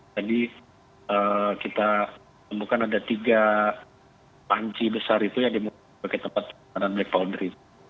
jadi kita temukan ada tiga panci besar itu yang dimulai sebagai tempat penyimpanan black powder itu